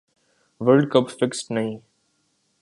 world Cup fixed نہی